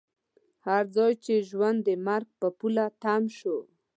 هر ځای چې ژوند د مرګ پر پوله تم شو.